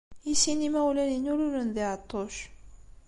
I sin imawlan-iw lulen di Ɛeṭṭuc.